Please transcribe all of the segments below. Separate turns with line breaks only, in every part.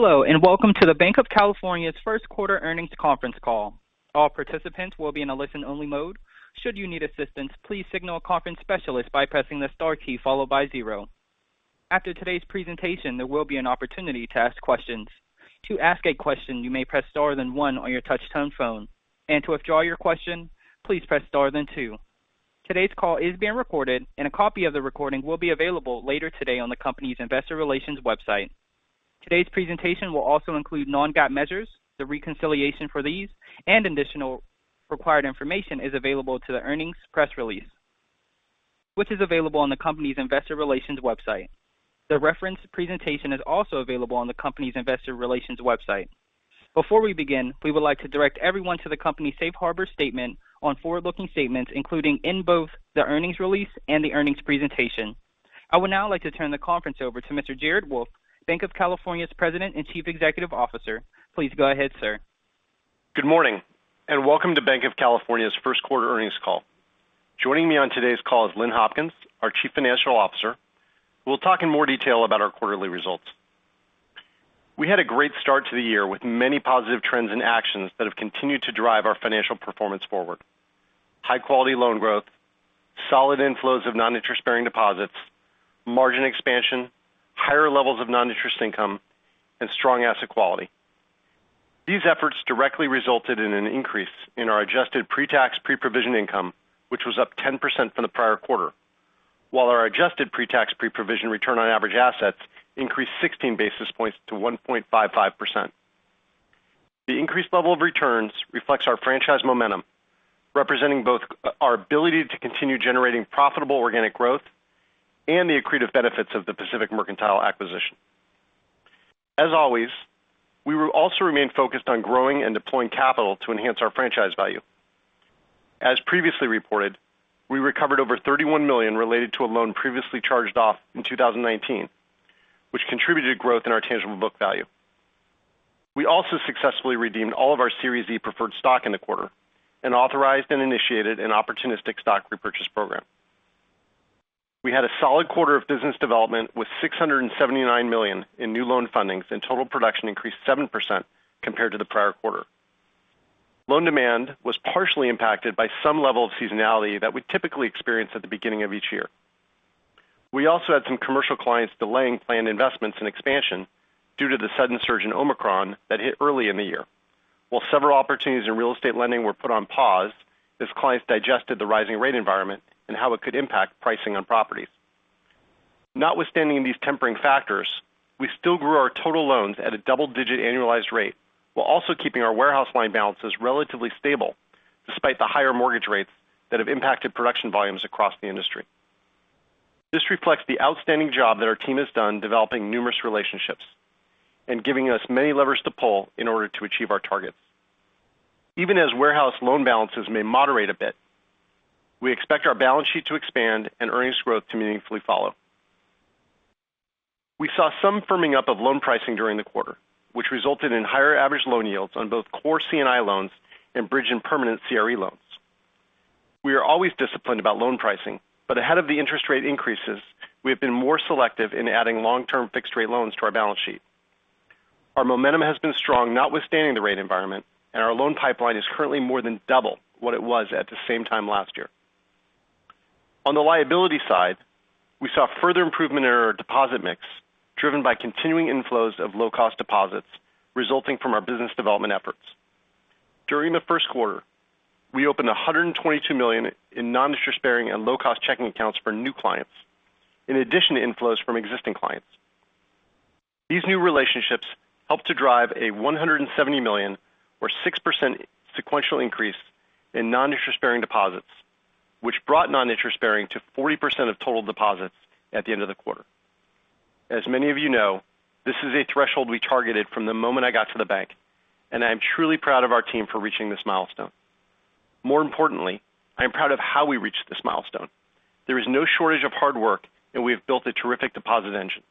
Hello, and welcome to the Banc of California's Q1 earnings conference call. All participants will be in a listen-only mode. Should you need assistance, please signal a conference specialist by pressing the star key followed by zero. After today's presentation, there will be an opportunity to ask questions. To ask a question, you may press star then one on your touch-tone phone, and to withdraw your question, please press star then two. Today's call is being recorded, and a copy of the recording will be available later today on the company's investor relations website. Today's presentation will also include non-GAAP measures. The reconciliation for these and additional required information is available in the earnings press release, which is available on the company's investor relations website. The referenced presentation is also available on the company's investor relations website. Before we begin, we would like to direct everyone to the company's safe harbor statement on forward-looking statements, including in both the earnings release and the earnings presentation. I would now like to turn the conference over to Mr. Jared Wolff, Banc of California's President and Chief Executive Officer. Please go ahead, sir.
Good morning, and welcome to Banc of California's Q1 earnings call. Joining me on today's call is Lynn Hopkins, our Chief Financial Officer, who will talk in more detail about our quarterly results. We had a great start to the year with many positive trends and actions that have continued to drive our financial performance forward, high-quality loan growth, solid inflows of non-interest-bearing deposits, margin expansion, higher levels of non-interest income, and strong asset quality. These efforts directly resulted in an increase in our adjusted pre-tax, pre-provision income, which was up 10% from the prior quarter. Our adjusted pre-tax, pre-provision return on average assets increased 16 basis points to 1.55%. The increased level of returns reflects our franchise momentum, representing both our ability to continue generating profitable organic growth and the accretive benefits of the Pacific Mercantile acquisition. As always, we will also remain focused on growing and deploying capital to enhance our franchise value. As previously reported, we recovered over $31 million related to a loan previously charged off in 2019, which contributed to growth in our tangible book value. We also successfully redeemed all of our Series E Preferred Stock in the quarter and authorized and initiated an opportunistic stock repurchase program. We had a solid quarter of business development with $679 million in new loan fundings, and total production increased 7% compared to the prior quarter. Loan demand was partially impacted by some level of seasonality that we typically experience at the beginning of each year. We also had some commercial clients delaying planned investments and expansion due to the sudden surge in Omicron that hit early in the year. While several opportunities in real estate lending were put on pause as clients digested the rising rate environment and how it could impact pricing on properties. Notwithstanding these tempering factors, we still grew our total loans at a double-digit annualized rate while also keeping our warehouse line balances relatively stable despite the higher mortgage rates that have impacted production volumes across the industry. This reflects the outstanding job that our team has done developing numerous relationships and giving us many levers to pull in order to achieve our targets. Even as warehouse loan balances may moderate a bit, we expect our balance sheet to expand and earnings growth to meaningfully follow. We saw some firming up of loan pricing during the quarter, which resulted in higher average loan yields on both core C&I loans and bridge and permanent CRE loans. We are always disciplined about loan pricing, but ahead of the interest rate increases, we have been more selective in adding long-term fixed-rate loans to our balance sheet. Our momentum has been strong notwithstanding the rate environment, and our loan pipeline is currently more than double what it was at the same time last year. On the liability side, we saw further improvement in our deposit mix driven by continuing inflows of low-cost deposits resulting from our business development efforts. During the Q1, we opened $122 million in non-interest-bearing and low-cost checking accounts for new clients in addition to inflows from existing clients. These new relationships helped to drive a $170 million or 6% sequential increase in non-interest-bearing deposits, which brought non-interest-bearing to 40% of total deposits at the end of the quarter. As many of you know, this is a threshold we targeted from the moment I got to the bank, and I am truly proud of our team for reaching this milestone. More importantly, I am proud of how we reached this milestone. There is no shortage of hard work, and we have built a terrific deposit engine.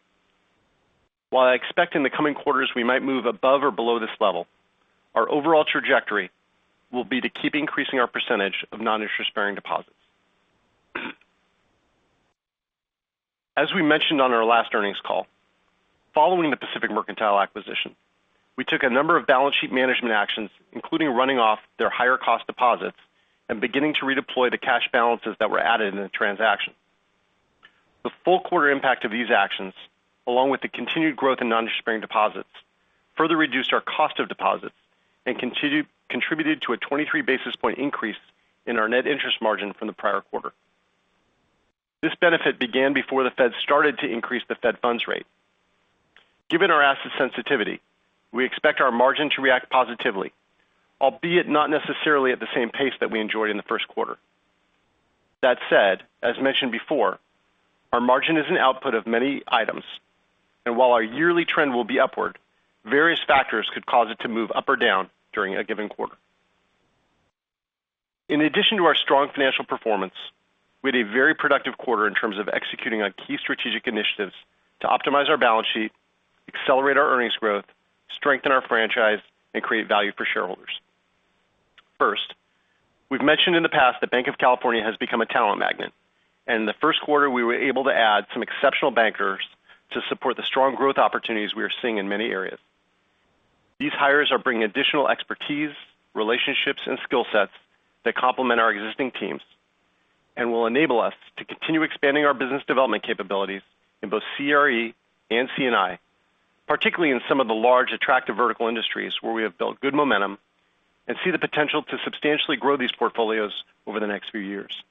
While I expect in the coming quarters we might move above or below this level, our overall trajectory will be to keep increasing our percentage of non-interest-bearing deposits. As we mentioned on our last earnings call, following the Pacific Mercantile acquisition, we took a number of balance sheet management actions, including running off their higher-cost deposits and beginning to redeploy the cash balances that were added in the transaction. The full quarter impact of these actions, along with the continued growth in non-interest-bearing deposits, further reduced our cost of deposits and contributed to a 23 basis point increase in our net interest margin from the prior quarter. This benefit began before the Fed started to increase the Fed funds rate. Given our asset sensitivity, we expect our margin to react positively, albeit not necessarily at the same pace that we enjoyed in the Q1. That said, as mentioned before, our margin is an output of many items, and while our yearly trend will be upward, various factors could cause it to move up or down during a given quarter. In addition to our strong financial performance, we had a very productive quarter in terms of executing on key strategic initiatives to optimize our balance sheet, accelerate our earnings growth, strengthen our franchise, and create value for shareholders. First, we've mentioned in the past that Banc of California has become a talent magnet, and in the Q1, we were able to add some exceptional bankers to support the strong growth opportunities we are seeing in many areas. These hires are bringing additional expertise, relationships, and skill sets that complement our existing teams and will enable us to continue expanding our business development capabilities in both CRE and C&I, particularly in some of the large attractive vertical industries where we have built good momentum and see the potential to substantially grow these portfolios over the next few years.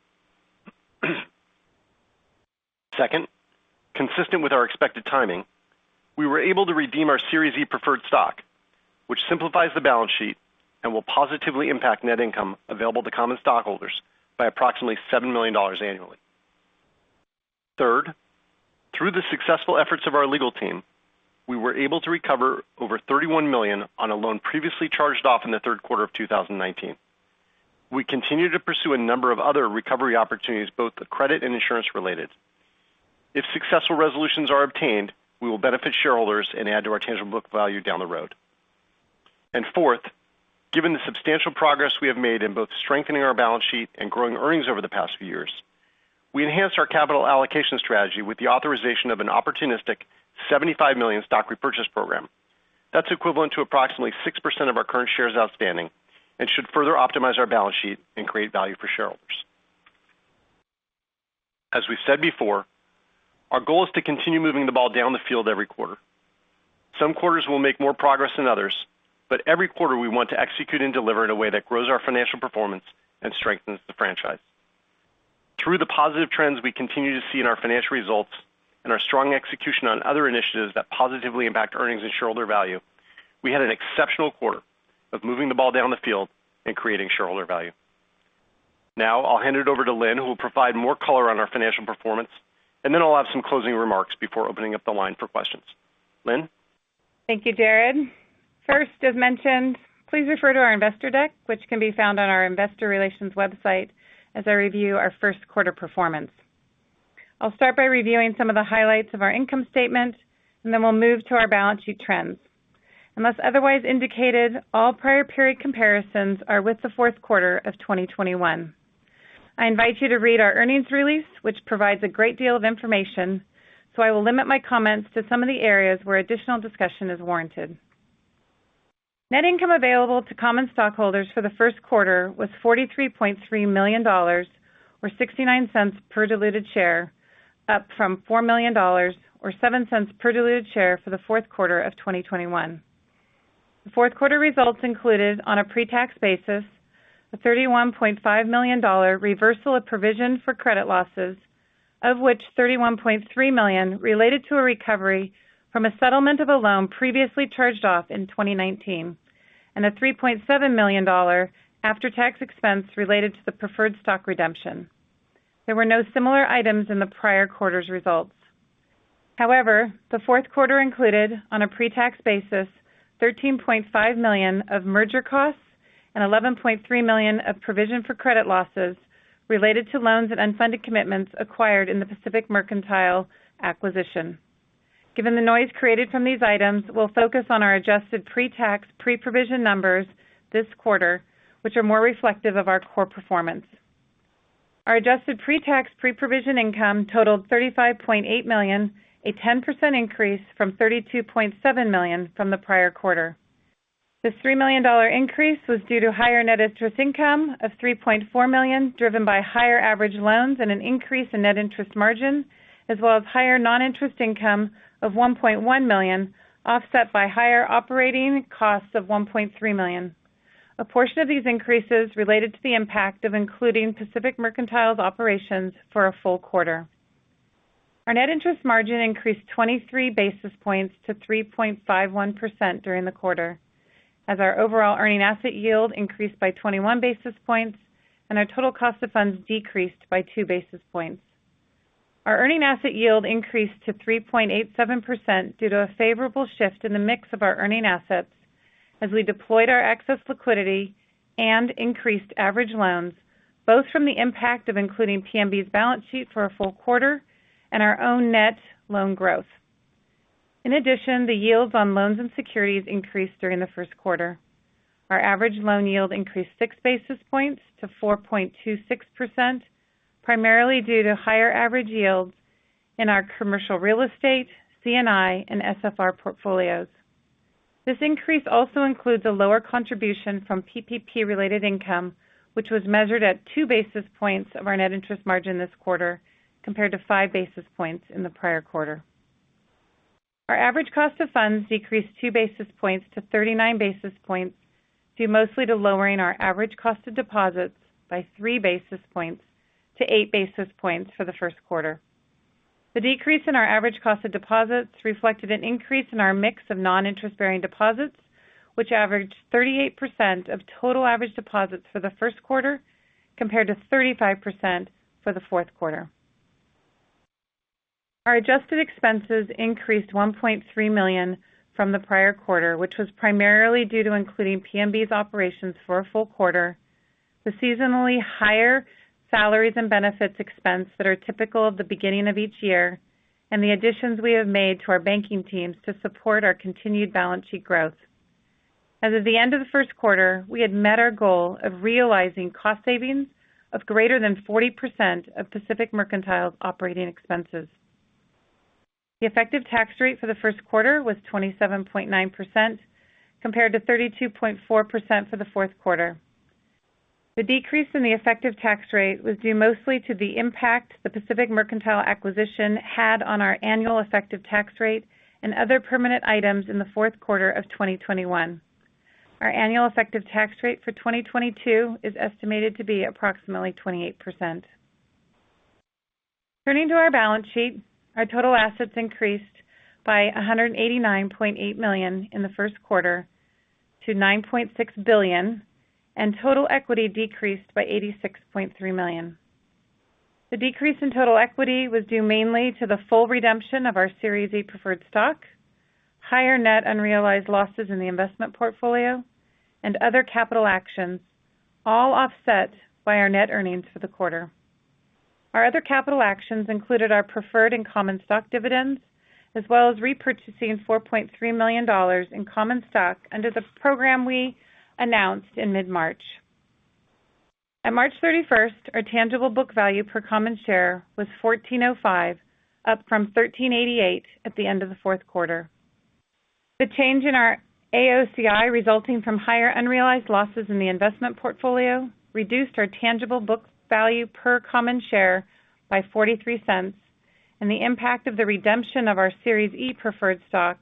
Second, consistent with our expected timing, we were able to redeem our Series E Preferred Stock, which simplifies the balance sheet and will positively impact net income available to common stockholders by approximately $7 million annually. Third, through the successful efforts of our legal team, we were able to recover over $31 million on a loan previously charged off in the Q3 of 2019. We continue to pursue a number of other recovery opportunities, both credit and insurance-related. If successful resolutions are obtained, we will benefit shareholders and add to our tangible book value down the road. Fourth, given the substantial progress we have made in both strengthening our balance sheet and growing earnings over the past few years, we enhanced our capital allocation strategy with the authorization of an opportunistic $75 million stock repurchase program. That's equivalent to approximately 6% of our current shares outstanding and should further optimize our balance sheet and create value for shareholders. As we've said before, our goal is to continue moving the ball down the field every quarter. Some quarters will make more progress than others, but every quarter we want to execute and deliver in a way that grows our financial performance and strengthens the franchise. Through the positive trends we continue to see in our financial results and our strong execution on other initiatives that positively impact earnings and shareholder value, we had an exceptional quarter of moving the ball down the field and creating shareholder value. Now I'll hand it over to Lynn, who will provide more color on our financial performance, and then I'll have some closing remarks before opening up the line for questions. Lynn.
Thank you, Jared. First, as mentioned, please refer to our investor deck, which can be found on our investor relations website as I review our Q1performance. I'll start by reviewing some of the highlights of our income statement, and then we'll move to our balance sheet trends. Unless otherwise indicated, all prior period comparisons are with the Q4 of 2021. I invite you to read our earnings release, which provides a great deal of information, so I will limit my comments to some of the areas where additional discussion is warranted. Net income available to common stockholders for the Q1 was $43.3 million or $0.69 per diluted share, up from $4 million or $0.07 per diluted share for the Q4 of 2021. The Q4 results included on a pre-tax basis a $31.5 million reversal of provision for credit losses, of which $31.3 million related to a recovery from a settlement of a loan previously charged off in 2019 and a $3.7 million after-tax expense related to the preferred stock redemption. There were no similar items in the prior quarter's results. However, the Q4 included, on a pre-tax basis, $13.5 million of merger costs and $11.3 million of provision for credit losses related to loans and unfunded commitments acquired in the Pacific Mercantile acquisition. Given the noise created from these items, we'll focus on our adjusted pre-tax, pre-provision numbers this quarter, which are more reflective of our core performance. Our adjusted pre-tax, pre-provision income totaled $35.8 million, a 10% increase from $32.7 million from the prior quarter. This $3 million increase was due to higher net interest income of $3.4 million, driven by higher average loans and an increase in net interest margin, as well as higher non-interest income of $1.1 million, offset by higher operating costs of $1.3 million. A portion of these increases related to the impact of including Pacific Mercantile's operations for a full quarter. Our net interest margin increased 23 basis points to 3.51% during the quarter, as our overall earning asset yield increased by 21 basis points and our total cost of funds decreased by 2 basis points. Our earning asset yield increased to 3.87% due to a favorable shift in the mix of our earning assets as we deployed our excess liquidity and increased average loans, both from the impact of including PMB's balance sheet for a full quarter and our own net loan growth. In addition, the yields on loans and securities increased during the Q1. Our average loan yield increased 6 basis points to 4.26%, primarily due to higher average yields in our commercial real estate, C&I, and SFR portfolios. This increase also includes a lower contribution from PPP-related income, which was measured at 2 basis points of our net interest margin this quarter compared to 5 basis points in the prior quarter. Our average cost of funds decreased 2 basis points to 39 basis points, due mostly to lowering our average cost of deposits by 3 basis points to 8 basis points for the Q1. The decrease in our average cost of deposits reflected an increase in our mix of non-interest-bearing deposits, which averaged 38% of total average deposits for the Q1, compared to 35% for the Q4. Our adjusted expenses increased $1.3 million from the prior quarter, which was primarily due to including PMB's operations for a full quarter. The seasonally higher salaries and benefits expense that are typical of the beginning of each year and the additions we have made to our banking teams to support our continued balance sheet growth. As of the end of the Q1, we had met our goal of realizing cost savings of greater than 40% of Pacific Mercantile's operating expenses. The effective tax rate for the Q1 was 27.9% compared to 32.4% for the Q4. The decrease in the effective tax rate was due mostly to the impact the Pacific Mercantile acquisition had on our annual effective tax rate and other permanent items in the Q4 of 2021. Our annual effective tax rate for 2022 is estimated to be approximately 28%. Turning to our balance sheet. Our total assets increased by $189.8 million in the Q1 to $9.6 billion, and total equity decreased by $86.3 million. The decrease in total equity was due mainly to the full redemption of our Series E Preferred Stock, higher net unrealized losses in the investment portfolio, and other capital actions, all offset by our net earnings for the quarter. Our other capital actions included our preferred and common stock dividends, as well as repurchasing $4.3 million in common stock under the program we announced in mid-March. At March 31, our tangible book value per common share was $14.05, up from $13.88 at the end of the Q4. The change in our AOCI resulting from higher unrealized losses in the investment portfolio reduced our tangible book value per common share by $0.43, and the impact of the redemption of our Series E Preferred Stock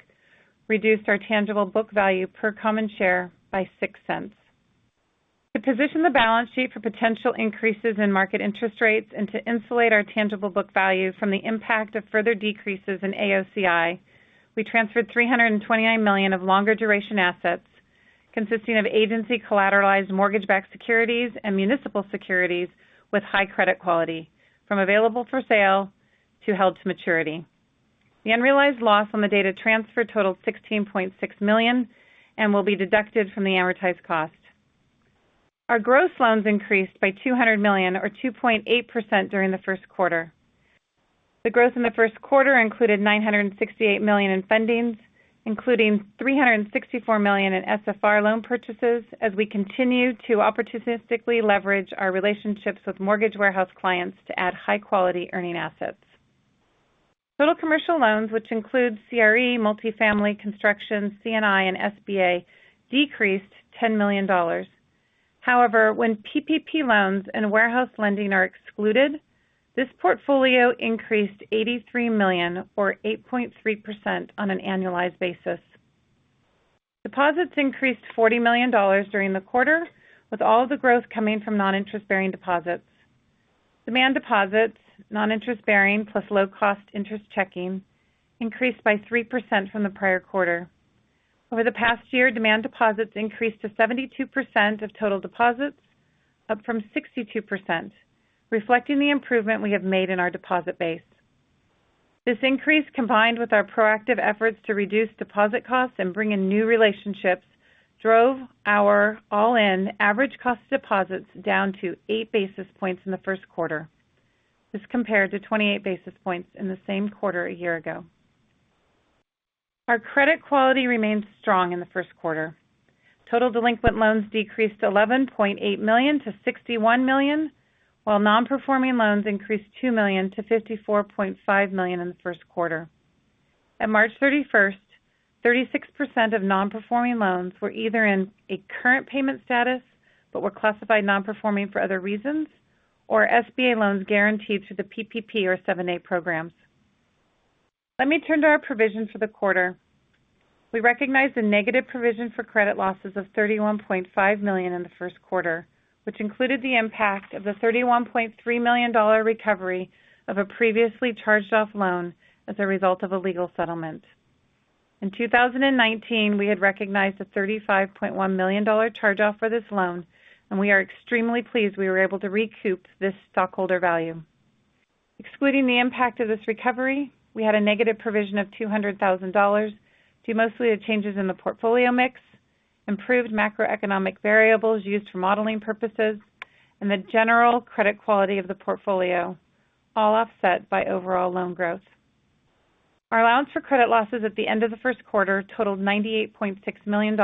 reduced our tangible book value per common share by $0.06. To position the balance sheet for potential increases in market interest rates and to insulate our tangible book value from the impact of further decreases in AOCI, we transferred $329 million of longer duration assets consisting of agency collateralized mortgage-backed securities and municipal securities with high credit quality from available for sale to held to maturity. The unrealized loss on that transfer totaled $16.6 million and will be deducted from the amortized cost. Our gross loans increased by $200 million or 2.8% during the Q1. The growth in the Q1 included $968 million in fundings, including $364 million in SFR loan purchases as we continue to opportunistically leverage our relationships with mortgage warehouse clients to add high-quality earning assets. Total commercial loans, which includes CRE, multifamily construction, C&I, and SBA, decreased $10 million. However, when PPP loans and warehouse lending are excluded, this portfolio increased $83 million or 8.3% on an annualized basis. Deposits increased $40 million during the quarter, with all the growth coming from non-interest-bearing deposits. Demand deposits, non-interest-bearing plus low-cost interest checking increased by 3% from the prior quarter. Over the past year, demand deposits increased to 72% of total deposits, up from 62%, reflecting the improvement we have made in our deposit base. This increase, combined with our proactive efforts to reduce deposit costs and bring in new relationships, drove our all-in average cost deposits down to 8 basis points in the Q1. This compared to 28 basis points in the same quarter a year ago. Our credit quality remained strong in the Q1. Total delinquent loans decreased $11.8 million to $61 million, while non-performing loans increased $2 million to $54.5 million in the Q1. At March 31st, 36% of non-performing loans were either in a current payment status but were classified non-performing for other reasons or SBA loans guaranteed through the PPP or 7(a) programs. Let me turn to our provision for the quarter. We recognized a negative provision for credit losses of $31.5 million in the Q1, which included the impact of the $31.3 million recovery of a previously charged off loan as a result of a legal settlement. In 2019, we had recognized a $35.1 million charge-off for this loan, and we are extremely pleased we were able to recoup this stockholder value. Excluding the impact of this recovery, we had a negative provision of $200,000 due mostly to changes in the portfolio mix, improved macroeconomic variables used for modeling purposes, and the general credit quality of the portfolio, all offset by overall loan growth. Our allowance for credit losses at the end of the Q1 totaled $98.6 million,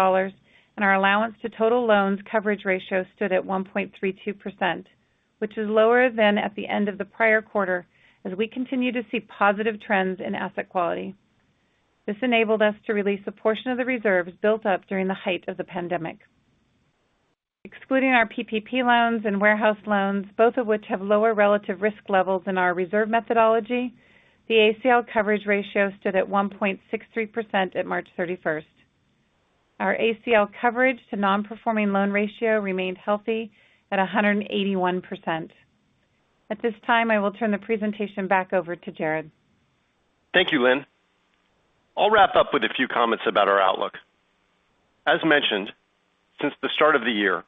and our allowance to total loans coverage ratio stood at 1.32%, which is lower than at the end of the prior quarter as we continue to see positive trends in asset quality. This enabled us to release a portion of the reserves built up during the height of the pandemic. Excluding our PPP loans and warehouse loans, both of which have lower relative risk levels in our reserve methodology, the ACL coverage ratio stood at 1.63% at March 31st. Our ACL coverage to non-performing loan ratio remained healthy at 181%. At this time, I will turn the presentation back over to Jared.
Thank you, Lynn. I'll wrap up with a few comments about our outlook. As mentioned, since the start of the year,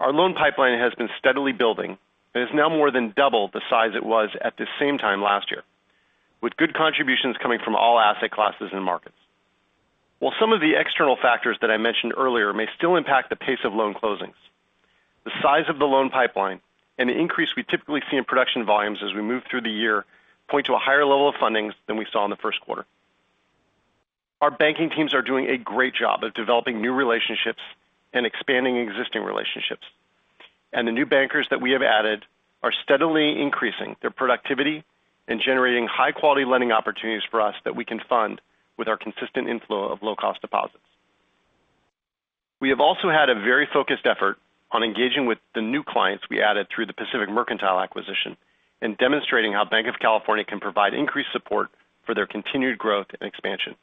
our loan pipeline has been steadily building and is now more than double the size it was at the same time last year, with good contributions coming from all asset classes and markets. While some of the external factors that I mentioned earlier may still impact the pace of loan closings, the size of the loan pipeline and the increase we typically see in production volumes as we move through the year point to a higher level of fundings than we saw in the Q1. Our banking teams are doing a great job of developing new relationships and expanding existing relationships. The new bankers that we have added are steadily increasing their productivity and generating high quality lending opportunities for us that we can fund with our consistent inflow of low cost deposits. We have also had a very focused effort on engaging with the new clients we added through the Pacific Mercantile acquisition and demonstrating how Banc of California can provide increased support for their continued growth and expansion.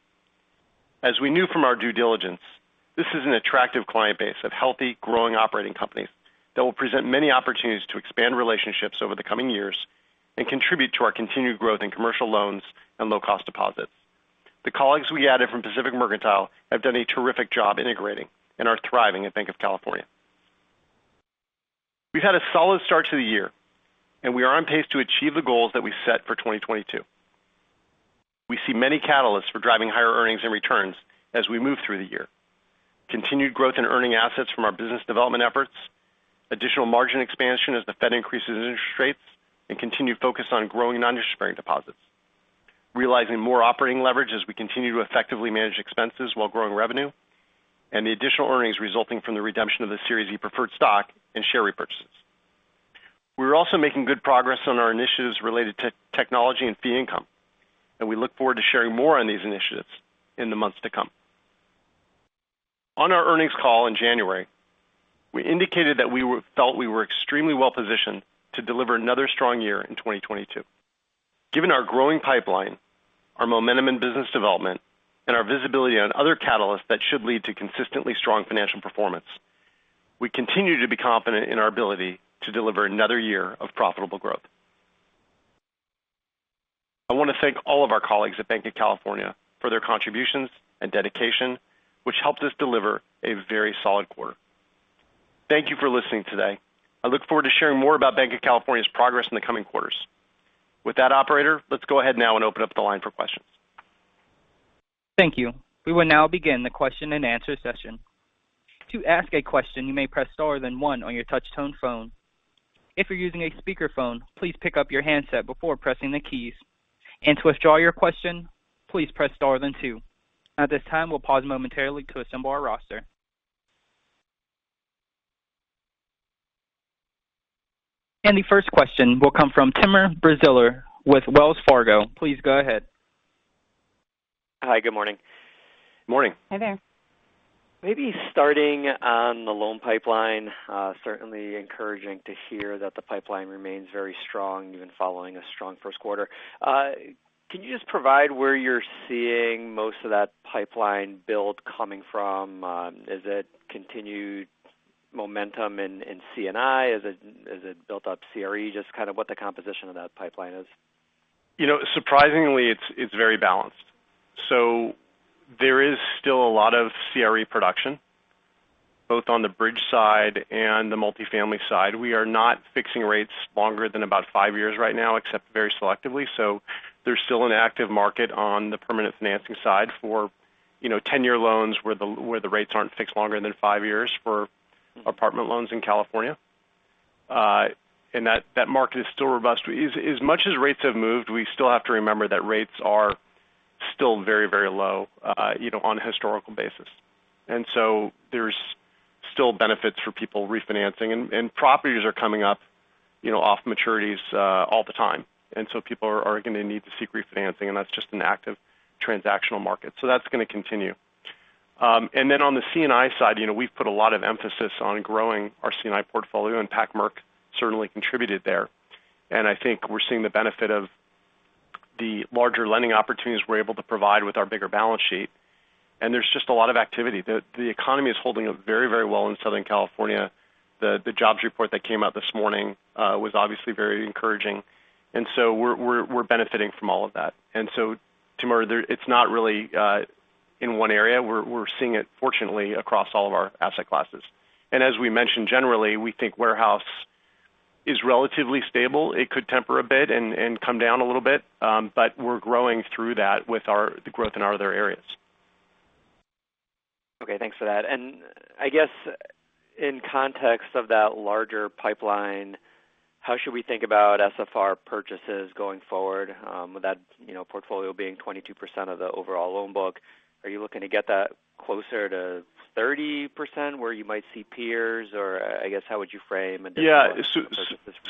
As we knew from our due diligence, this is an attractive client base of healthy, growing operating companies that will present many opportunities to expand relationships over the coming years and contribute to our continued growth in commercial loans and low cost deposits. The colleagues we added from Pacific Mercantile have done a terrific job integrating and are thriving at Banc of California. We've had a solid start to the year, and we are on pace to achieve the goals that we set for 2022. We see many catalysts for driving higher earnings and returns as we move through the year, continued growth in earning assets from our business development efforts, additional margin expansion as the Fed increases interest rates, and continued focus on growing non-interest bearing deposits, realizing more operating leverage as we continue to effectively manage expenses while growing revenue, and the additional earnings resulting from the redemption of the Series E Preferred Stock and share repurchases. We're also making good progress on our initiatives related to technology and fee income, and we look forward to sharing more on these initiatives in the months to come. On our earnings call in January, we indicated that we felt we were extremely well positioned to deliver another strong year in 2022. Given our growing pipeline, our momentum in business development, and our visibility on other catalysts that should lead to consistently strong financial performance, we continue to be confident in our ability to deliver another year of profitable growth. I want to thank all of our colleagues at Banc of California for their contributions and dedication, which helped us deliver a very solid quarter. Thank you for listening today. I look forward to sharing more about Banc of California's progress in the coming quarters. With that, operator, let's go ahead now and open up the line for questions.
Thank you. We will now begin the Q&A session. To ask a question, you may press star then one on your touch tone phone. If you're using a speakerphone, please pick up your handset before pressing the keys. To withdraw your question, please press star then two. At this time, we'll pause momentarily to assemble our roster. The first question will come from Timur Braziler with Wells Fargo. Please go ahead.
Hi. Good morning.
Morning.
Hi there.
Maybe starting on the loan pipeline, certainly encouraging to hear that the pipeline remains very strong even following a strong Q1. Can you just provide where you're seeing most of that pipeline build coming from? Is it continued momentum in C&I? Is it built up CRE? Just kind of what the composition of that pipeline is.
You know, surprisingly it's very balanced. There is still a lot of CRE production, both on the bridge side and the multifamily side. We are not fixing rates longer than about 5 years right now, except very selectively. There's still an active market on the permanent financing side for, you know, 10-year loans where the rates aren't fixed longer than 5 years for apartment loans in California. And that market is still robust. As much as rates have moved, we still have to remember that rates are still very low, you know, on a historical basis. There's still benefits for people refinancing. Properties are coming up, you know, off maturities all the time. People are gonna need to seek refinancing, and that's just an active transactional market. That's gonna continue. On the C&I side, you know, we've put a lot of emphasis on growing our C&I portfolio, and Pac-Merc certainly contributed there. I think we're seeing the benefit of the larger lending opportunities we're able to provide with our bigger balance sheet. There's just a lot of activity. The economy is holding up very, very well in Southern California. The jobs report that came out this morning was obviously very encouraging, and we're benefiting from all of that. Timur, it's not really in one area. We're seeing it fortunately across all of our asset classes. As we mentioned, generally, we think warehouse is relatively stable. It could temper a bit and come down a little bit, but we're growing through that with the growth in our other areas.
Okay. Thanks for that. I guess in context of that larger pipeline, how should we think about SFR purchases going forward? With that, you know, portfolio being 22% of the overall loan book, are you looking to get that closer to 30% where you might see peers? Or I guess, how would you frame additional purchases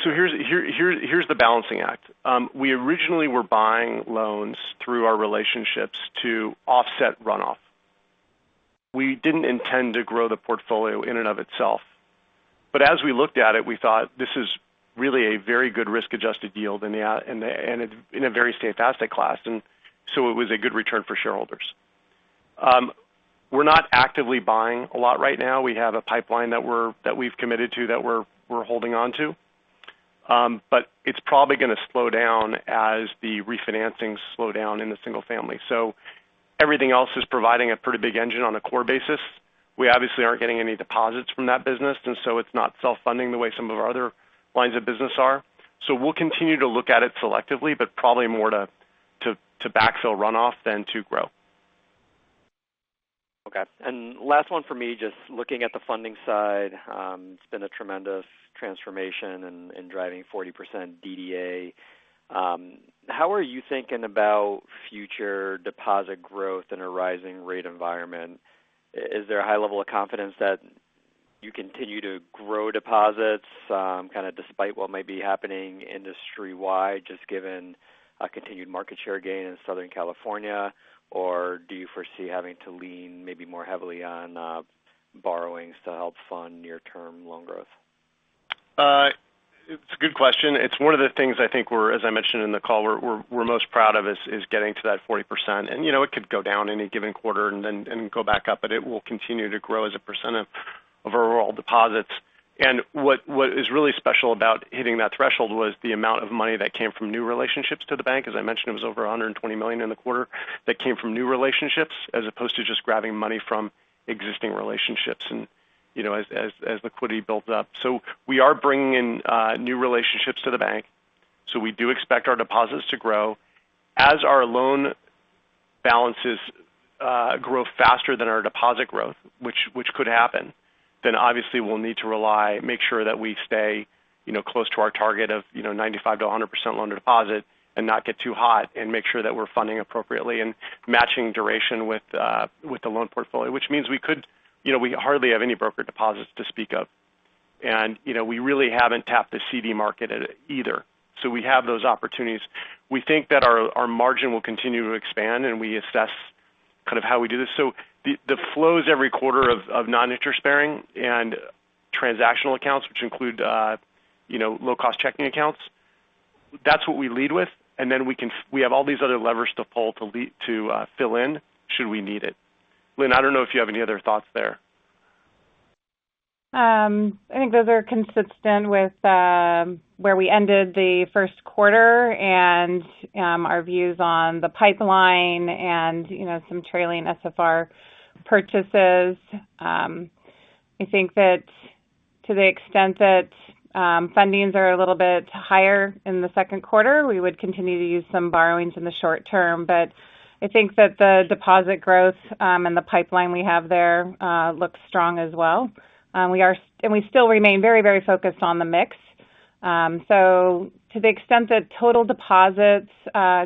for now?
Here's the balancing act. We originally were buying loans through our relationships to offset runoff. We didn't intend to grow the portfolio in and of itself. As we looked at it, we thought, "This is really a very good risk-adjusted yield in a very safe asset class." It was a good return for shareholders. We're not actively buying a lot right now. We have a pipeline that we've committed to that we're holding on to. It's probably gonna slow down as the refinancings slow down in the single family. Everything else is providing a pretty big engine on a core basis. We obviously aren't getting any deposits from that business, and so it's not self-funding the way some of our other lines of business are. We'll continue to look at it selectively, but probably more to backfill runoff than to grow.
Okay. Last one for me, just looking at the funding side, it's been a tremendous transformation and driving 40% DDA. How are you thinking about future deposit growth in a rising rate environment? Is there a high level of confidence that you continue to grow deposits, kind of despite what may be happening industry-wide, just given a continued market share gain in Southern California? Or do you foresee having to lean maybe more heavily on borrowings to help fund near-term loan growth?
It's a good question. It's one of the things I think we're, as I mentioned in the call, most proud of is getting to that 40%. You know, it could go down any given quarter and then go back up, but it will continue to grow as a % of our overall deposits. What is really special about hitting that threshold was the amount of money that came from new relationships to the bank. As I mentioned, it was over $120 million in the quarter that came from new relationships as opposed to just grabbing money from existing relationships and, you know, as liquidity built up. We are bringing in new relationships to the bank, so we do expect our deposits to grow. As our loan balances grow faster than our deposit growth, which could happen, then obviously we'll need to rely, make sure that we stay, you know, close to our target of, you know, 95%-100% loan-to-deposit and not get too hot and make sure that we're funding appropriately and matching duration with the loan portfolio. Which means we could, you know, we hardly have any broker deposits to speak of. You know, we really haven't tapped the CD market either. We have those opportunities. We think that our margin will continue to expand, and we assess kind of how we do this. The flows every quarter of non-interest bearing and transactional accounts, which include you know, low-cost checking accounts, that's what we lead with, and then we have all these other levers to pull to lead to fill in should we need it. Lynn, I don't know if you have any other thoughts there.
I think those are consistent with where we ended the Q1 and our views on the pipeline and, you know, some trailing SFR purchases. I think that to the extent that fundings are a little bit higher in the Q2, we would continue to use some borrowings in the short term. I think that the deposit growth and the pipeline we have there looks strong as well. We still remain very, very focused on the mix. To the extent that total deposits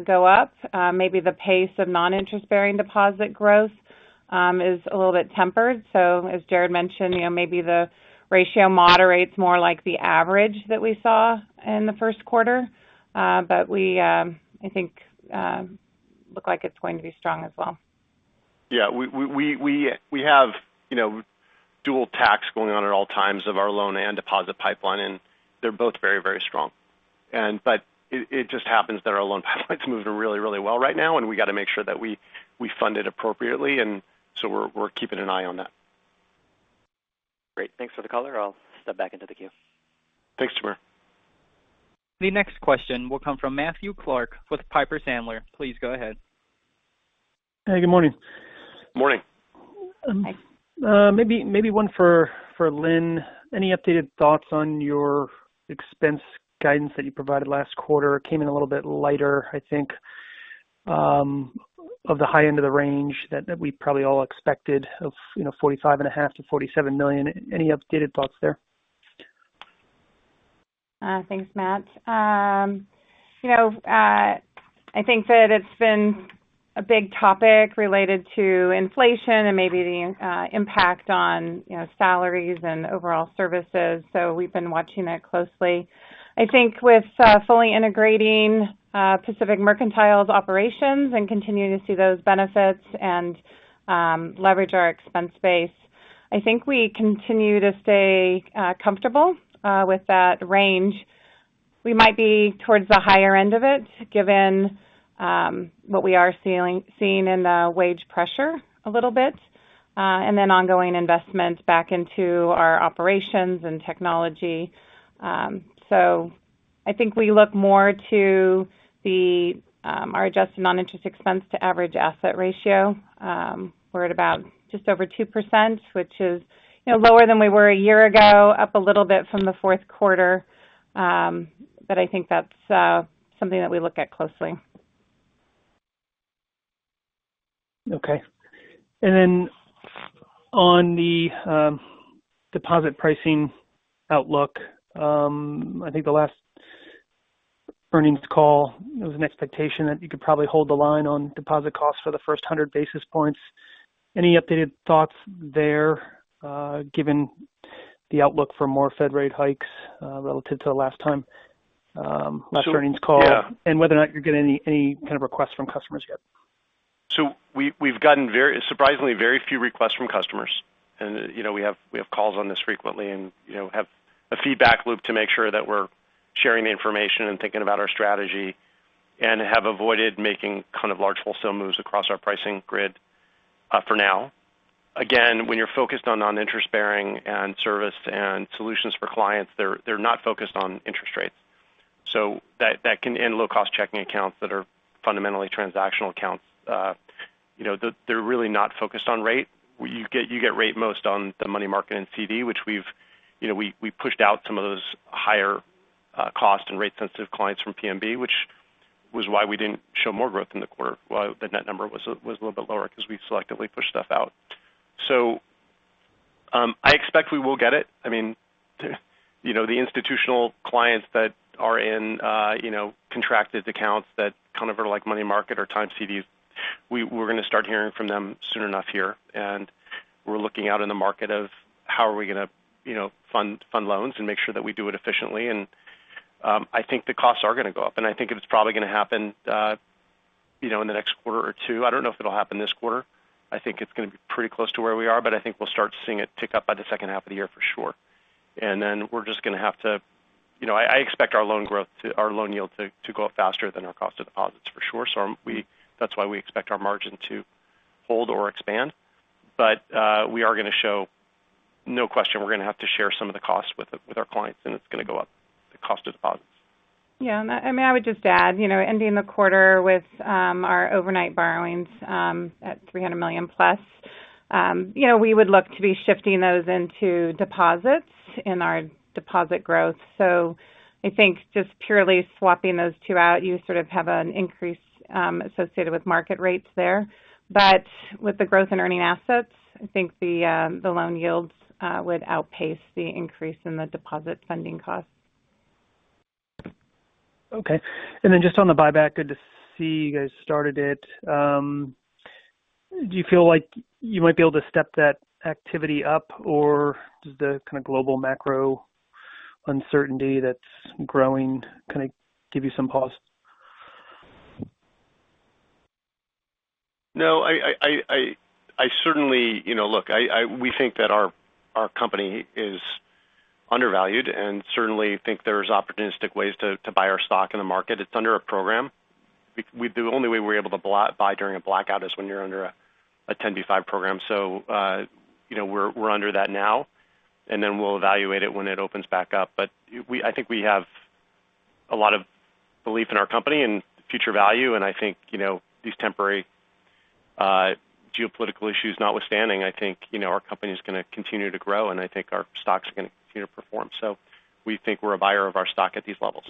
go up, maybe the pace of non-interest bearing deposit growth is a little bit tempered. As Jared mentioned, you know, maybe the ratio moderates more like the average that we saw in the Q1. We, I think, look like it's going to be strong as well.
Yeah. We have, you know, dual track going on at all times of our loan and deposit pipeline, and they're both very, very strong. It just happens that our loan pipeline's moving really, really well right now, and we got to make sure that we fund it appropriately, so we're keeping an eye on that.
Great. Thanks for the color. I'll step back into the queue.
Thanks, Timur.
The next question will come from Matthew Clark with Piper Sandler. Please go ahead.
Hey, good morning.
Morning.
Hi.
Maybe one for Lynn. Any updated thoughts on your expense guidance that you provided last quarter? It came in a little bit lighter, I think, of the high end of the range that we probably all expected of, you know, $45.5 million to $47 million. Any updated thoughts there?
Thanks, Matt. You know, I think that it's been a big topic related to inflation and maybe the impact on salaries and overall services. We've been watching that closely. I think with fully integrating Pacific Mercantile's operations and continuing to see those benefits and leverage our expense base, I think we continue to stay comfortable with that range. We might be towards the higher end of it, given what we are seeing in the wage pressure a little bit and then ongoing investments back into our operations and technology. I think we look more to our adjusted non-interest expense to average asset ratio. We're at about just over 2%, which is lower than we were a year ago, up a little bit from the Q4. I think that's something that we look at closely.
Okay. On the deposit pricing outlook, I think the last earnings call, there was an expectation that you could probably hold the line on deposit costs for the first 100 basis points. Any updated thoughts there, given the outlook for more Fed rate hikes, relative to the last time?
So-
Last earnings call-
Yeah.
whether or not you're getting any kind of requests from customers yet?
We've gotten surprisingly very few requests from customers. You know, we have calls on this frequently and, you know, have a feedback loop to make sure that we're sharing the information and thinking about our strategy and have avoided making kind of large wholesale moves across our pricing grid, for now. Again, when you're focused on non-interest bearing and service and solutions for clients, they're not focused on interest rates and low cost checking accounts that are fundamentally transactional accounts. You know, they're really not focused on rate. You get rate most on the money market and CD, which we've, you know, pushed out some of those higher, cost and rate sensitive clients from PMB, which was why we didn't show more growth in the quarter. Why the net number was a little bit lower because we selectively pushed stuff out. I expect we will get it. I mean, you know, the institutional clients that are in, you know, contracted accounts that kind of are like money market or time CDs, we're gonna start hearing from them soon enough here. We're looking out in the market of how are we gonna, you know, fund loans and make sure that we do it efficiently. I think the costs are gonna go up, and I think it's probably gonna happen, you know, in the next quarter or two. I don't know if it'll happen this quarter. I think it's gonna be pretty close to where we are, but I think we'll start seeing it tick up by the H2 of the year for sure. You know, I expect our loan yield to go up faster than our cost of deposits for sure. That's why we expect our margin to hold or expand. We are gonna show, no question. We're gonna have to share some of the costs with our clients, and it's gonna go up, the cost of deposits.
Yeah. I mean, I would just add, you know, ending the quarter with our overnight borrowings at $300 million+ you know, we would look to be shifting those into deposits in our deposit growth. I think just purely swapping those two out, you sort of have an increase associated with market rates there. But with the growth in earning assets, I think the loan yields would outpace the increase in the deposit funding costs.
Okay. Just on the buyback, good to see you guys started it. Do you feel like you might be able to step that activity up, or does the kind of global macro uncertainty that's growing kinda give you some pause?
No, I certainly. You know, look, we think that our company is undervalued and certainly think there's opportunistic ways to buy our stock in the market. It's under a program. The only way we're able to buy during a blackout is when you're under a 10b5-1 program. So, you know, we're under that now, and then we'll evaluate it when it opens back up. I think we have a lot of belief in our company and future value, and I think, you know, these temporary geopolitical issues notwithstanding, I think, you know, our company is gonna continue to grow, and I think our stocks are gonna continue to perform. So we think we're a buyer of our stock at these levels.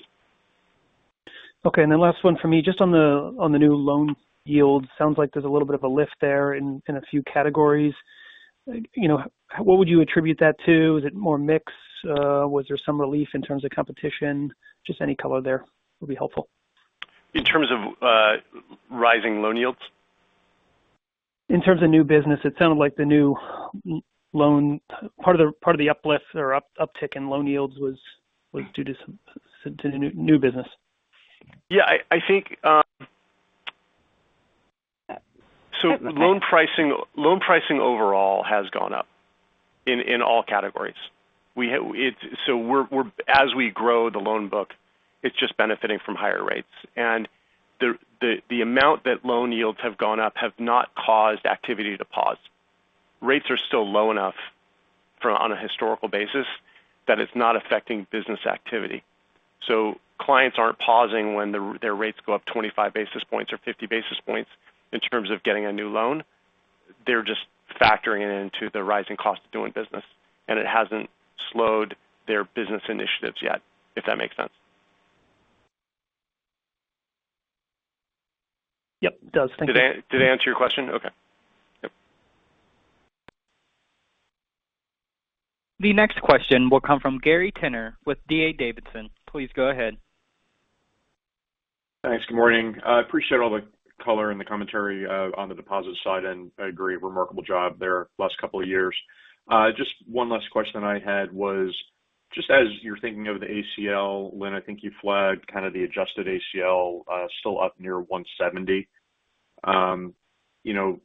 Okay. And then last one for me, just on the new loan yield. Sounds like there's a little bit of a lift there in a few categories. You know, what would you attribute that to? Is it more mix? Was there some relief in terms of competition? Just any color there would be helpful.
In terms of rising loan yields?
In terms of new business, it sounded like the new loan part of the uplift or uptick in loan yields was due to some new business.
I think loan pricing overall has gone up in all categories. As we grow the loan book, it's just benefiting from higher rates. The amount that loan yields have gone up have not caused activity to pause. Rates are still low enough on a historical basis that it's not affecting business activity. Clients aren't pausing when their rates go up 25 basis points or 50 basis points in terms of getting a new loan. They're just factoring it into the rising cost of doing business, and it hasn't slowed their business initiatives yet, if that makes sense.
Yep, it does. Thank you.
Did I answer your question? Okay. Yep.
The next question will come from Gary Tenner with D.A. Davidson. Please go ahead.
Thanks. Good morning. I appreciate all the color and the commentary on the deposit side, and I agree, remarkable job there last couple of years. Just one last question I had was just as you're thinking of the ACL, Lynn, I think you flagged kind of the adjusted ACL still up near $170. You know,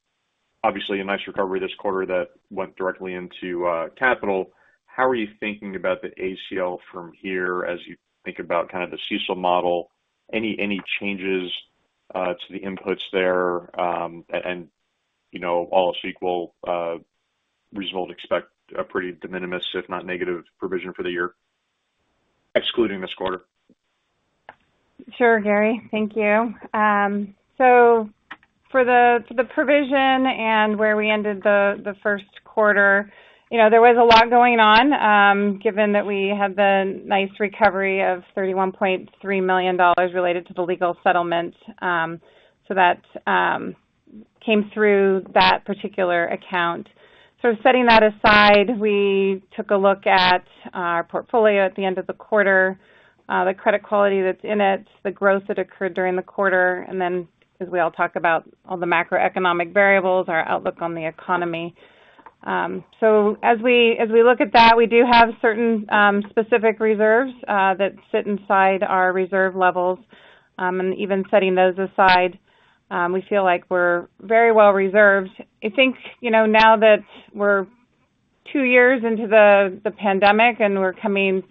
obviously a nice recovery this quarter that went directly into capital. How are you thinking about the ACL from here as you think about kind of the CECL model? Any changes to the inputs there? You know, all else equal, reasonable to expect a pretty de minimis, if not negative, provision for the year excluding this quarter.
Sure, Gary. Thank you. For the provision and where we ended the Q1, you know, there was a lot going on, given that we had the nice recovery of $31.3 million related to the legal settlement. That came through that particular account. Setting that aside, we took a look at our portfolio at the end of the quarter, the credit quality that's in it, the growth that occurred during the quarter, and then as we all talk about all the macroeconomic variables, our outlook on the economy. As we look at that, we do have certain specific reserves that sit inside our reserve levels. Even setting those aside, we feel like we're very well reserved. I think, you know, now that we're two years into the pandemic and we're coming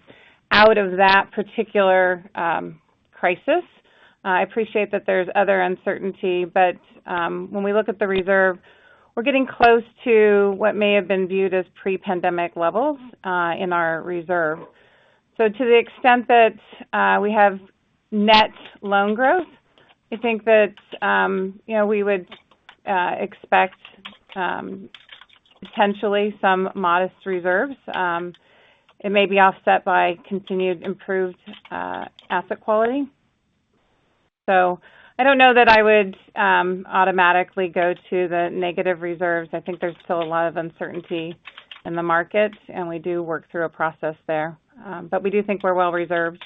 out of that particular crisis. I appreciate that there's other uncertainty, but when we look at the reserve, we're getting close to what may have been viewed as pre-pandemic levels in our reserve. To the extent that we have net loan growth, I think that, you know, we would expect potentially some modest reserves. It may be offset by continued improved asset quality. I don't know that I would automatically go to the negative reserves. I think there's still a lot of uncertainty in the market, and we do work through a process there. We do think we're well reserved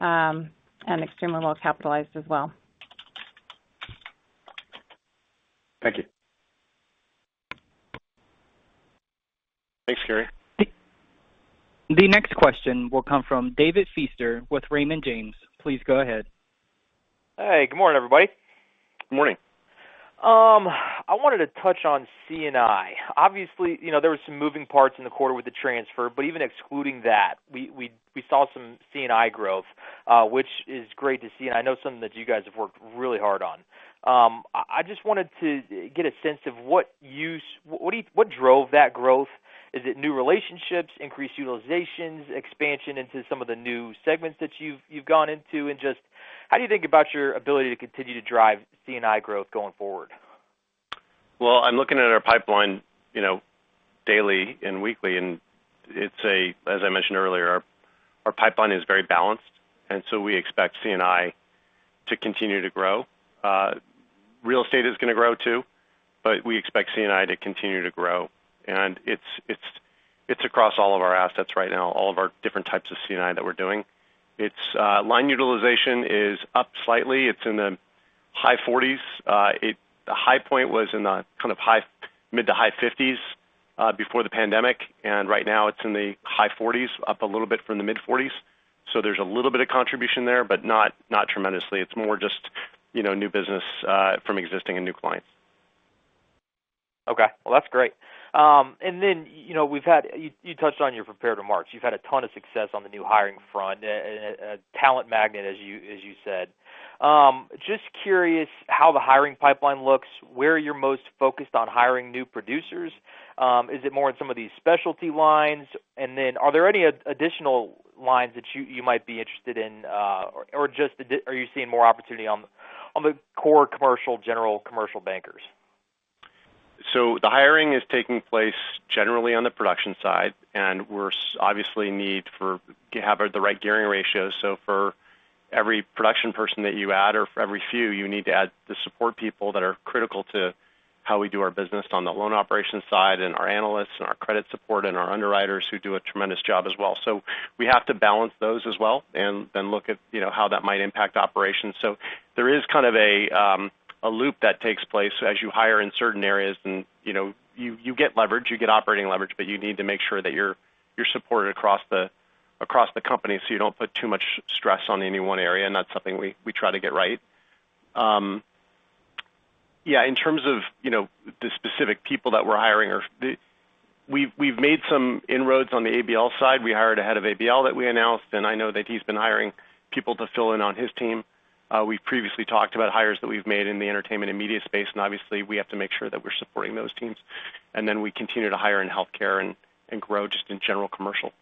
and extremely well capitalized as well.
Thank you.
Thanks, Gary.
The next question will come from David Feaster with Raymond James. Please go ahead.
Hey, good morning, everybody.
Good morning.
I wanted to touch on C&I. Obviously, you know, there were some moving parts in the quarter with the transfer, but even excluding that, we saw some C&I growth, which is great to see, and I know something that you guys have worked really hard on. I just wanted to get a sense of what drove that growth? Is it new relationships, increased utilizations, expansion into some of the new segments that you've gone into? Just how do you think about your ability to continue to drive C&I growth going forward?
Well, I'm looking at our pipeline, you know, daily and weekly, and it's as I mentioned earlier, our pipeline is very balanced, and we expect C&I to continue to grow. Real estate is gonna grow too, but we expect C&I to continue to grow. It's across all of our assets right now, all of our different types of C&I that we're doing. Line utilization is up slightly. It's in the high forties. The high point was in the kind of mid to high fifties before the pandemic, and right now it's in the high forties, up a little bit from the mid-forties. There's a little bit of contribution there, but not tremendously. It's more just, you know, new business from existing and new clients.
Okay. Well, that's great. You know, you touched on your prepared remarks. You've had a ton of success on the new hiring front, a talent magnet, as you said. Just curious how the hiring pipeline looks, where you're most focused on hiring new producers. Is it more in some of these specialty lines? Are there any additional lines that you might be interested in, or are you seeing more opportunity on the core commercial, general commercial bankers?
The hiring is taking place generally on the production side, and we're obviously needing to have the right gearing ratios. For every production person that you add or for every few, you need to add the support people that are critical to how we do our business on the loan operations side and our analysts and our credit support and our underwriters who do a tremendous job as well. We have to balance those as well and then look at, you know, how that might impact operations. There is kind of a loop that takes place as you hire in certain areas. You know, you get leverage, you get operating leverage, but you need to make sure that you're supported across the company, so you don't put too much stress on any one area. That's something we try to get right. Yeah, in terms of, you know, the specific people that we're hiring. We've made some inroads on the ABL side. We hired a head of ABL that we announced, and I know that he's been hiring people to fill in on his team. We've previously talked about hires that we've made in the entertainment and media space, and obviously we have to make sure that we're supporting those teams. We continue to hire in healthcare and grow just in general commercial,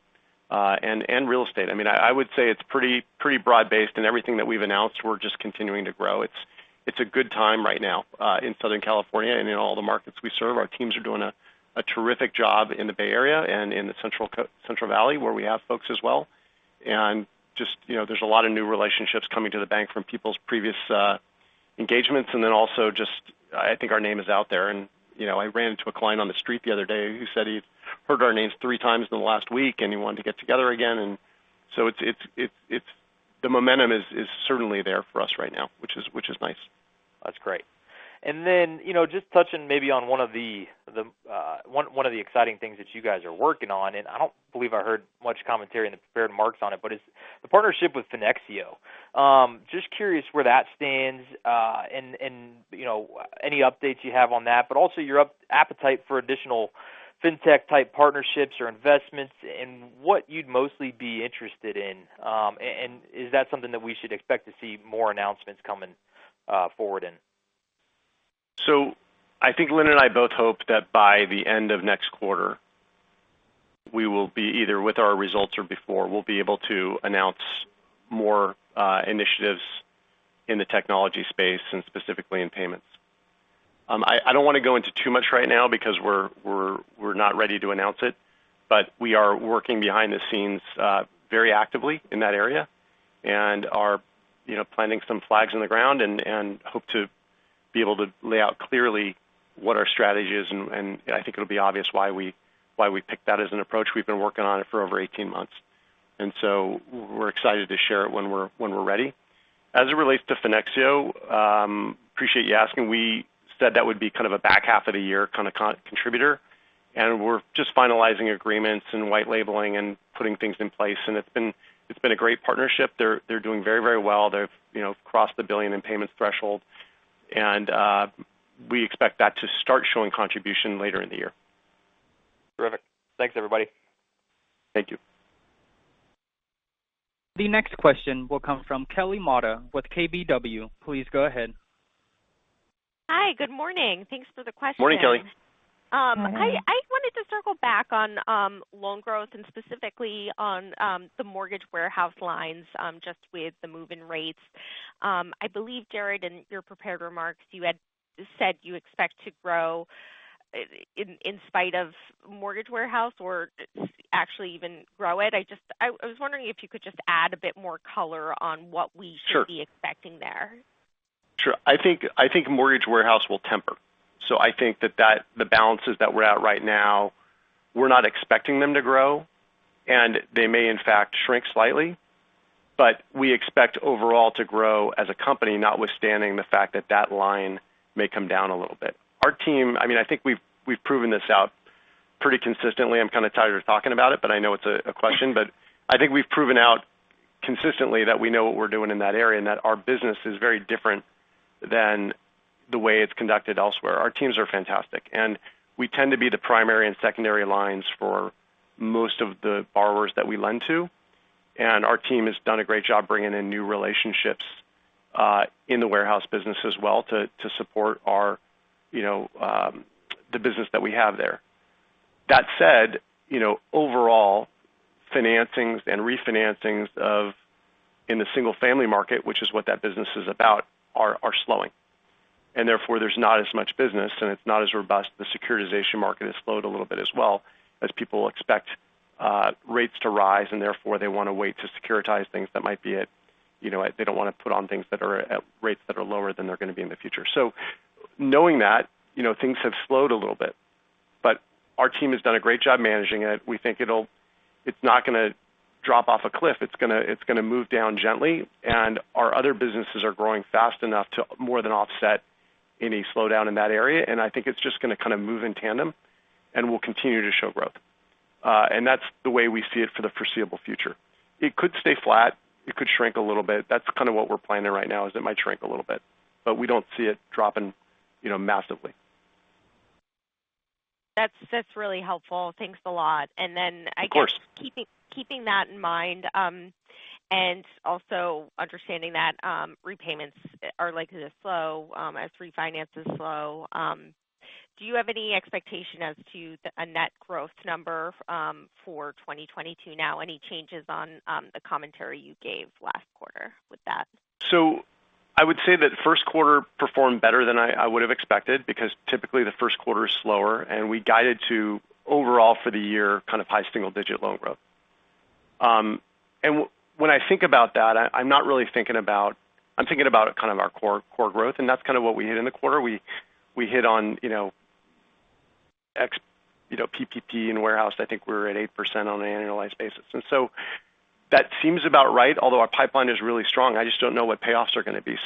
and real estate. I mean, I would say it's pretty broad-based in everything that we've announced. We're just continuing to grow. It's a good time right now in Southern California and in all the markets we serve. Our teams are doing a terrific job in the Bay Area and in the Central Valley, where we have folks as well. Just, you know, there's a lot of new relationships coming to the bank from people's previous engagements. Also just I think our name is out there. You know, I ran into a client on the street the other day who said he heard our name 3x in the last week, and he wanted to get together again. The momentum is certainly there for us right now, which is nice.
That's great. You know, just touching maybe on one of the exciting things that you guys are working on, and I don't believe I heard much commentary in the prepared remarks on it, but it's the partnership with Finexio. Just curious where that stands, and you know, any updates you have on that, but also your appetite for additional fintech-type partnerships or investments and what you'd mostly be interested in. Is that something that we should expect to see more announcements coming forward in?
I think Lynn and I both hope that by the end of next quarter, we will be either with our results or before, we'll be able to announce more initiatives in the technology space and specifically in payments. I don't wanna go into too much right now because we're not ready to announce it, but we are working behind the scenes very actively in that area and are, you know, planting some flags in the ground and hope to be able to lay out clearly what our strategy is. I think it'll be obvious why we picked that as an approach. We've been working on it for over 18 months, and we're excited to share it when we're ready. As it relates to Finexio, appreciate you asking. We said that would be kind of a back half of the year kinda contributor, and we're just finalizing agreements and white labeling and putting things in place, and it's been a great partnership. They're doing very well. They've, you know, crossed the $1 billion in payments threshold, and we expect that to start showing contribution later in the year.
Thanks, everybody.
Thank you.
The next question will come from Kelly Motta with KBW. Please go ahead.
Hi. Good morning. Thanks for the question.
Morning, Kelly.
I wanted to circle back on loan growth and specifically on the mortgage warehouse lines just with the move in rates. I believe, Jared, in your prepared remarks, you had said you expect to grow in spite of mortgage warehouse or actually even grow it. I just, I was wondering if you could just add a bit more color on what we-
Sure.
Should be expecting there.
Sure. I think mortgage warehouse will temper. I think that the balances that we're at right now, we're not expecting them to grow, and they may in fact shrink slightly. We expect overall to grow as a company, notwithstanding the fact that line may come down a little bit. Our team, I mean, I think we've proven this out pretty consistently. I'm kind of tired of talking about it, but I know it's a question. I think we've proven out consistently that we know what we're doing in that area and that our business is very different than the way it's conducted elsewhere. Our teams are fantastic, and we tend to be the primary and secondary lines for most of the borrowers that we lend to. Our team has done a great job bringing in new relationships in the warehouse business as well to support our, you know, the business that we have there. That said, you know, overall financings and refinancings in the single-family market, which is what that business is about, are slowing. Therefore, there's not as much business, and it's not as robust. The securitization market has slowed a little bit as well as people expect rates to rise, and therefore they want to wait to securitize things that might be at, you know. They don't want to put on things that are at rates that are lower than they're going to be in the future. Knowing that, you know, things have slowed a little bit. Our team has done a great job managing it. We think it's not gonna drop off a cliff. It's gonna move down gently. Our other businesses are growing fast enough to more than offset any slowdown in that area. I think it's just gonna kind of move in tandem, and we'll continue to show growth. That's the way we see it for the foreseeable future. It could stay flat. It could shrink a little bit. That's kind of what we're planning right now, is it might shrink a little bit. We don't see it dropping, you know, massively.
That's really helpful. Thanks a lot. I guess.
Of course.
Keeping that in mind, and also understanding that repayments are likely to slow as refinances slow. Do you have any expectation as to a net growth number for 2022 now? Any changes on the commentary you gave last quarter with that?
I would say that Q1 performed better than I would have expected because typically the Q1 is slower, and we guided to overall for the year kind of high single-digit loan growth. When I think about that, I'm thinking about kind of our core growth, and that's kind of what we hit in the quarter. We hit on, you know, ex, you know, PPP and warehouse. I think we were at 8% on an annualized basis. That seems about right. Although our pipeline is really strong. I just don't know what payoffs are going to be.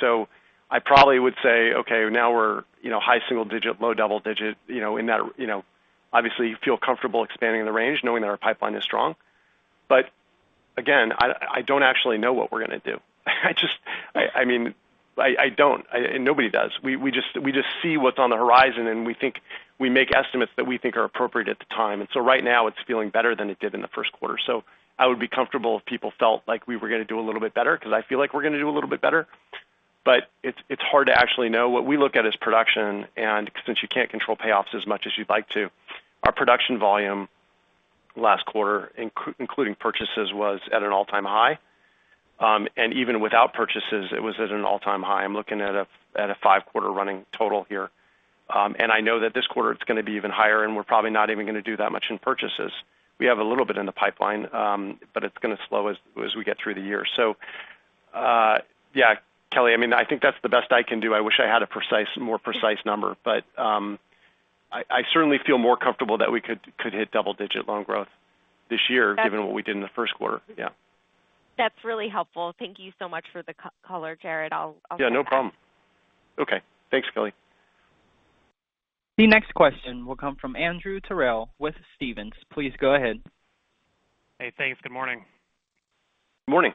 I probably would say, okay, now we're, you know, high single-digit, low double-digit, you know, in that, you know. Obviously you feel comfortable expanding the range knowing that our pipeline is strong. Again, I don't actually know what we're going to do. I mean, I don't. Nobody does. We just see what's on the horizon, and we think we make estimates that we think are appropriate at the time. Right now it's feeling better than it did in the Q1. I would be comfortable if people felt like we were going to do a little bit better because I f eel like we're going to do a little bit better. It's hard to actually know. What we look at is production, since you can't control payoffs as much as you'd like to. Our production volume last quarter including purchases was at an all-time high. Even without purchases it was at an all-time high. I'm looking at a five-quarter running total here. I know that this quarter it's going to be even higher, and we're probably not even going to do that much in purchases. We have a little bit in the pipeline. It's going to slow as we get through the year. Yeah. Kelly, I mean, I think that's the best I can do. I wish I had a more precise number, but I certainly feel more comfortable that we could hit double-digit loan growth this year given what we did in the Q1. Yeah.
That's really helpful. Thank you so much for the color, Jared. I'll come back.
Yeah, no problem. Okay. Thanks, Kelly.
The next question will come from Andrew Terrell with Stephens. Please go ahead.
Hey. Thanks. Good morning.
Morning.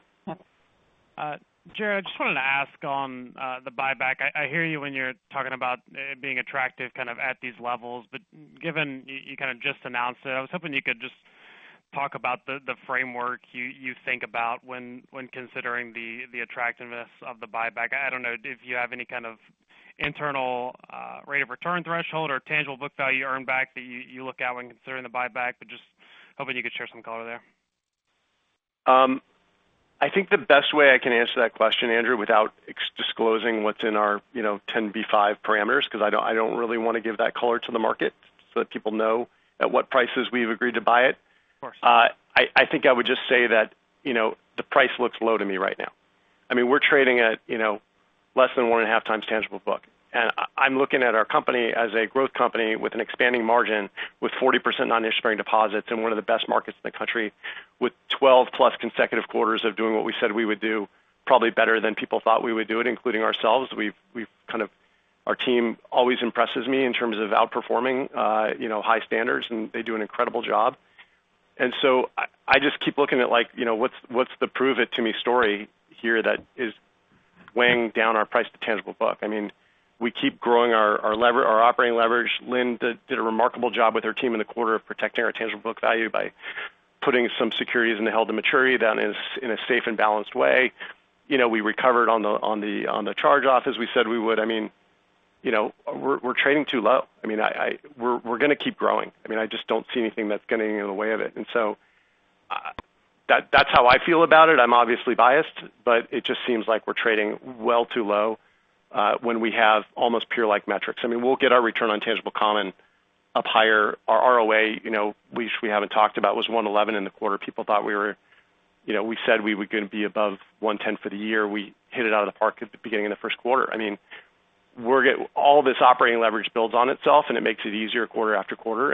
Jared, I just wanted to ask on the buyback. I hear you when you're talking about it being attractive kind of at these levels. Given you kind of just announced it, I was hoping you could just talk about the framework you think about when considering the attractiveness of the buyback. I don't know if you have any kind of internal rate of return threshold or tangible book value earn back that you look at when considering the buyback, just hoping you could share some color there.
I think the best way I can answer that question, Andrew, without disclosing what's in our, you know, 10b5-1 parameters because I don't really want to give that color to the market so that people know at what prices we've agreed to buy it.
Of course.
I think I would just say that, you know, the price looks low to me right now. I mean, we're trading at, you know, less than one and a half times tangible book. I'm looking at our company as a growth company with an expanding margin with 40% non-interest-bearing deposits in one of the best markets in the country with 12+ consecutive quarters of doing what we said we would do, probably better than people thought we would do it, including ourselves. Our team always impresses me in terms of outperforming, you know, high standards, and they do an incredible job. I just keep looking at like, you know, what's the prove it to me story here that is weighing down our price to tangible book. I mean, we keep growing our operating leverage. Lynn did a remarkable job with her team in the quarter of protecting our tangible book value by putting some securities in the held to maturity that is in a safe and balanced way. You know, we recovered on the charge-off as we said we would. I mean, you know, we're trading too low. I mean, we're gonna keep growing. I mean, I just don't see anything that's getting in the way of it. That's how I feel about it. I'm obviously biased, but it just seems like we're trading way too low when we have almost peer-like metrics. I mean, we'll get our return on tangible common up higher. Our ROA, you know, which we haven't talked about, was 1.11% in the quarter. People thought we were. You know, we said we were gonna be above 1.10% for the year. We hit it out of the park at the beginning of the Q1. I mean, all this operating leverage builds on itself, and it makes it easier quarter after quarter.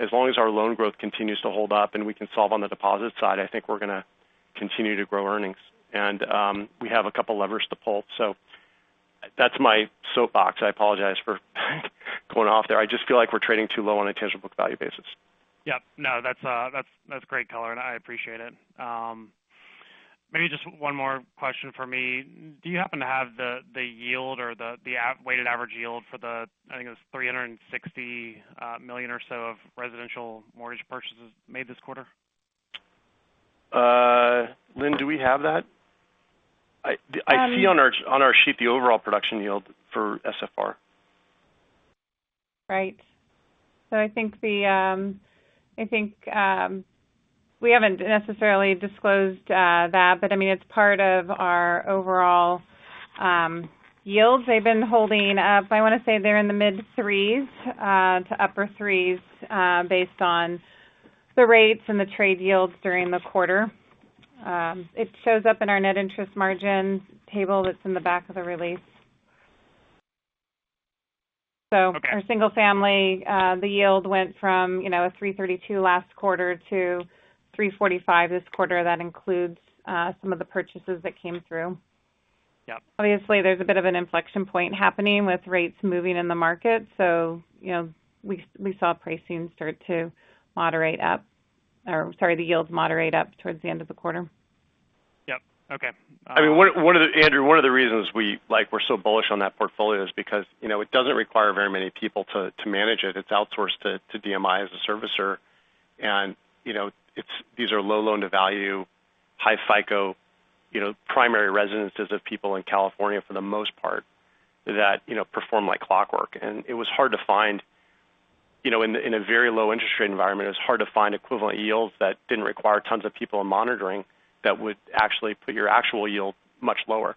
As long as our loan growth continues to hold up and we can solve on the deposit side, I think we're gonna continue to grow earnings. We have a couple levers to pull. That's my soapbox. I apologize for going off there. I just feel like we're trading too low on a tangible book value basis.
Yeah. No, that's great color, and I appreciate it. Maybe just one more question from me. Do you happen to have the yield or the average weighted yield for the, I think it was $360 million or so of residential mortgage purchases made this quarter?
Lynn, do we have that? I see-
Um-
On our sheet the overall production yield for SFR.
Right. I think we haven't necessarily disclosed that, but I mean, it's part of our overall yields. They've been holding up, I wanna say they're in the mid-3% to upper-3% based on the rates and the trailing yields during the quarter. It shows up in our net interest margin table that's in the back of the release.
Okay.
For single family, the yield went from 3.32% last quarter to 3.45% this quarter. That includes some of the purchases that came through.
Yeah.
Obviously, there's a bit of an inflection point happening with rates moving in the market. You know, we saw pricing start to moderate up, or sorry, the yields moderate up towards the end of the quarter.
Yep. Okay.
I mean, Andrew, one of the reasons we're so bullish on that portfolio is because, you know, it doesn't require very many people to manage it. It's outsourced to DMI as a servicer. You know, these are low loan-to-value, high FICO, you know, primary residences of people in California for the most part that, you know, perform like clockwork. It was hard to find, you know, in a very low interest rate environment, equivalent yields that didn't require tons of people in monitoring that would actually put your actual yield much lower.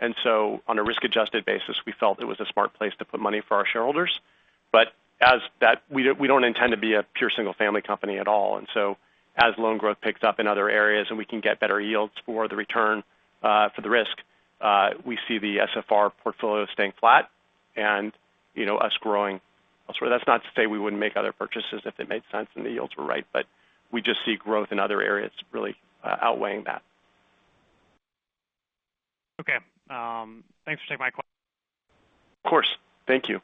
On a risk-adjusted basis, we felt it was a smart place to put money for our shareholders. We don't intend to be a pure single-family company at all. As loan growth picks up in other areas and we can get better yields for the return, for the risk, we see the SFR portfolio staying flat and, you know, us growing elsewhere. That's not to say we wouldn't make other purchases if it made sense and the yields were right, but we just see growth in other areas really, outweighing that.
Okay. Thanks for taking my call.
Of course. Thank you.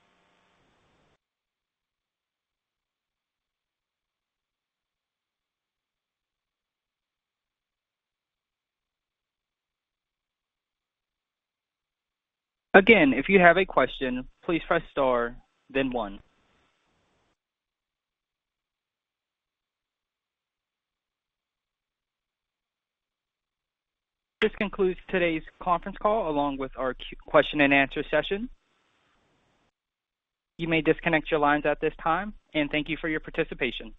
Again, if you have a question, please press star then one. This concludes today's conference call along with our Q&A session. You may disconnect your lines at this time, and thank you for your participation.